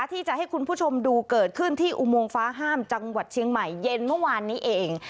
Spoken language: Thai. ที่จะให้คุณผู้ชมดูเกิดขึ้นที่อุโมงฟ้าห้ามจังหวัดเชียงใหม่เย็นเมื่อวานนี้เอง